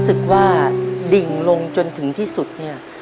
ว่าดิ่งลงจนถึงที่สุดเนี่ย